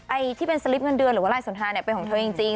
ไอ้ที่เป็นสลิปเงินเดือนหรือว่าลายสนทาเนี่ยเป็นของเธอจริง